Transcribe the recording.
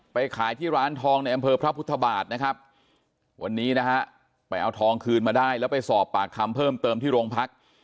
ไปขายที่ร้านทองในอำเภอพระพุทธบาทนะครับวันนี้นะฮะไปเอาทองคืนมาได้แล้วไปสอบปากคำเพิ่มเติมที่โรงพัก